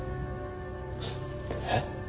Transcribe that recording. えっ？